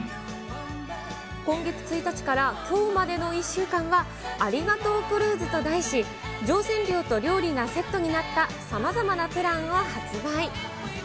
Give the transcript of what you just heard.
今月１日からきょうまでの１週間は、ありがとうクルーズと題し、乗船料と料理がセットになった様々なプランを発売。